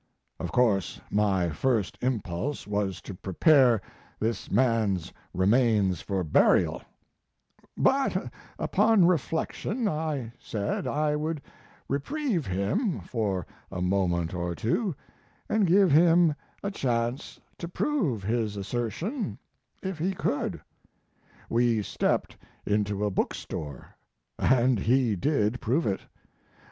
Of course my first impulse was to prepare this man's remains for burial, but upon reflection I said I would reprieve him for a moment or two, and give him a chance to prove his assertion if he could. We stepped into a book store. and he did prove it.